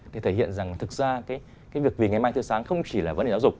thì thể hiện rằng thực ra cái việc vì ngày mai tươi sáng không chỉ là vấn đề giáo dục